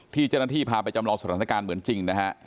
ที่เจ้าหน้าที่พาไปจำลองสถานการณ์เหมือนจริงนะฮะ